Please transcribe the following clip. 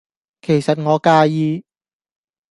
其實我介意